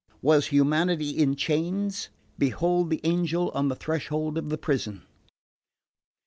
Was humanity in chains? Behold the angel on the threshold of the prison!